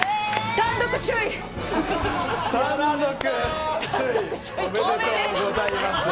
単独首位おめでとうございます。